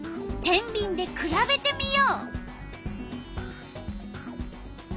てんびんでくらべてみよう！